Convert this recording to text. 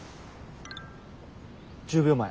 １０秒前。